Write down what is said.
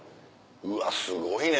うわすごいね。